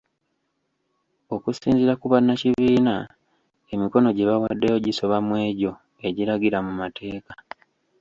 Okusinziira ku bannakibiina emikono gye bawaddeyo gisoba mu egyo egiragira mu mateeka